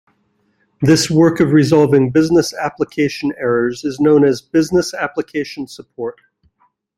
This work of resolving business application errors is known as business application support.